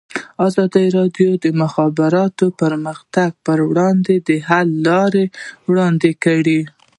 ازادي راډیو د د مخابراتو پرمختګ پر وړاندې د حل لارې وړاندې کړي.